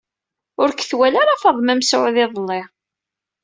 Ur k-twala ara Faḍma Mesɛud iḍeli.